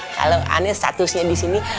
kalau aneh statusnya disini